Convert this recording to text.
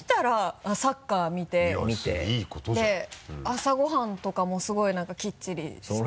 朝ご飯とかもすごい何かきっちりしてて。